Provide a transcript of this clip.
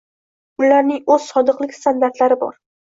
Ularning o'z sodiqlik standartlari bor